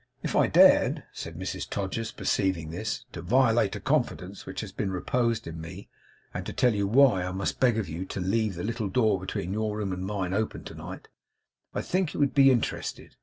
'If I dared,' said Mrs Todgers, perceiving this, 'to violate a confidence which has been reposed in me, and to tell you why I must beg of you to leave the little door between your room and mine open tonight, I think you would be interested.